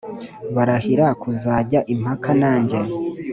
Barahira kuzajya impaka nanjye